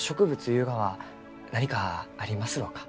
ゆうがは何かありますろうか？